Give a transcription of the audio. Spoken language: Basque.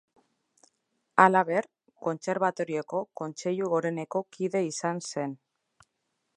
Halaber, Kontserbatorioko Kontseilu Goreneko kide izan zen.